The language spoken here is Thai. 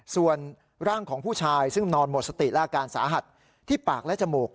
ส่วนร่างของผู้ชายซึ่งนอนหมดสติและอาการสาหัสที่ปากและจมูก